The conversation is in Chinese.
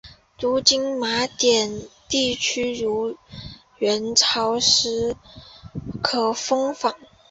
如今的马甸地区元朝时属于可封坊。